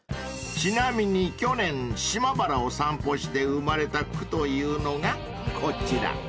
［ちなみに去年島原を散歩して生まれた句というのがこちら］